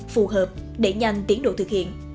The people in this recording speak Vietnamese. phù hợp để nhanh tiến độ thực hiện